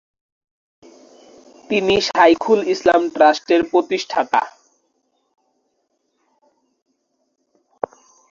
তিনি শাইখুল ইসলাম ট্রাস্টের প্রতিষ্ঠাতা।